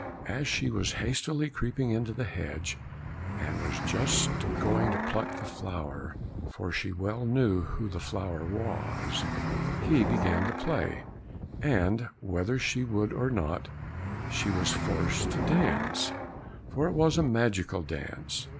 As she was hastily creeping into the hedge and was just going to pluck the flower, for she well knew who the flower was, he began to play, and whether she would or not, she was forced to dance, for it was a magical dance.